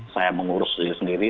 saya mengurus diri sendiri